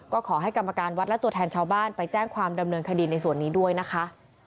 ก็ขอให้กรรมการวัดและตัวแทนชาวบ้านไปแจ้งความดำเนินคดีในส่วนนี้ด้วยนะคะ